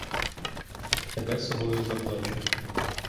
Тебе собою заплачу: